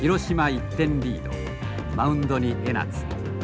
１点リードマウンドに江夏。